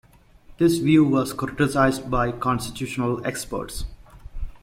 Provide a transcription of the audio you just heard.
This view was criticized by constitutional experts.